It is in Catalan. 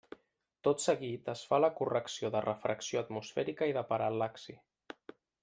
Tot seguit es fa la correcció de refracció atmosfèrica i de paral·laxi.